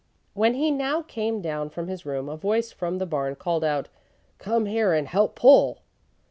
When he now came down from his room a voice from the barn called out: "Come here and help pull."